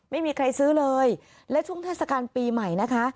ไม่มีใครซื้อเลยและช่วงเทศกาลปีใหม่นะคะ